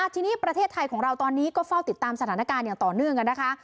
ทีนี้ประเทศไทยของเราตอนนี้ก็เฝ้าติดตามสถานการณ์อย่างต่อเนื่องกันนะคะ